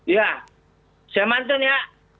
ya saya pantun ya